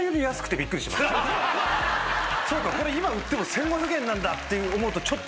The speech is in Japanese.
これ今売っても１，５００円なんだって思うとちょっと。